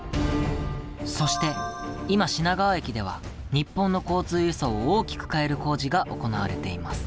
そして今、品川駅では日本の交通輸送を大きく変える工事が行われています。